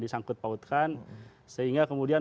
disangkut pautkan sehingga kemudian